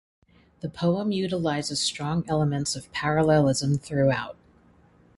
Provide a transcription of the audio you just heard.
The poem utilizes strong elements of parallelism throughout.